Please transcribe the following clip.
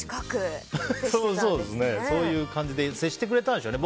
そうですね、そういう感じで接してくれたんでしょうね。